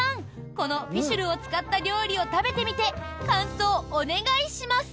このフィシュルを使った料理を食べてみて、感想お願いします。